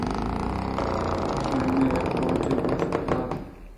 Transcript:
شاہینءَیک روچےءَکُشتءُ وارت